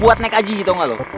pakean nek nek aja gitu tau gak lu